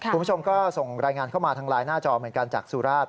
คุณผู้ชมก็ส่งรายงานเข้ามาทางไลน์หน้าจอเหมือนกันจากสุราช